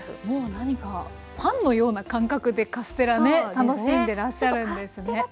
もうなにかパンのような感覚でカステラね楽しんでらっしゃるんですね。